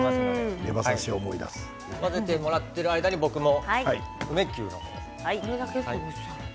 混ぜてもらっている間に僕は梅キューです。